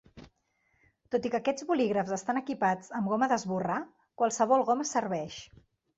Tot i que aquests bolígrafs estan equipats amb goma d'esborrar, qualsevol goma serveix.